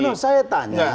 tidak saya tanya